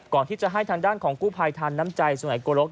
ก่อนที่จะให้ทางด้านของกู้ภัยทานน้ำใจสมัยโกรก